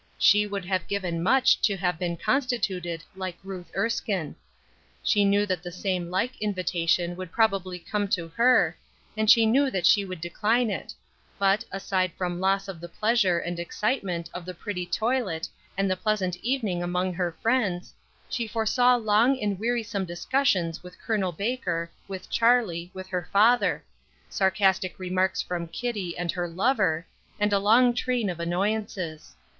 She would have given much to have been constituted like Ruth Erskine. She knew that the same like invitation would probably come to her, and she knew that she would decline it; but, aside from loss of the pleasure and excitement of the pretty toilet and the pleasant evening among her friends, she foresaw long and wearisome discussions with Col. Baker, with Charlie, with her father; sarcastic remarks from Kitty and her lover, and a long train of annoyances.